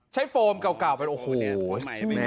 ใช้โฟมกล่าวเป็นโหแบบโหเนี่ย